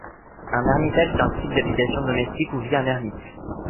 Un ermitage est un type d'habitation domestique où vit un ermite.